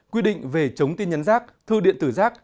quy định về chống tin nhắn rác thư điện tử rác